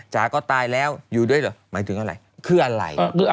จ๋าก็ตายแล้วอยู่ด้วยเหรอหมายถึงอะไรคืออะไร